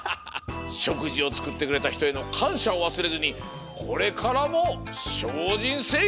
しょくじをつくってくれたひとへのかんしゃをわすれずにこれからもしょうじんせい！